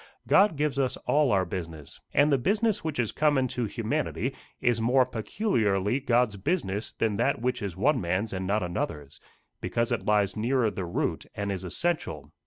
God gives us all our business, and the business which is common to humanity is more peculiarly God's business than that which is one man's and not another's because it lies nearer the root, and is essential.